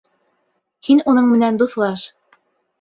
— Һин уның менән дуҫлаш.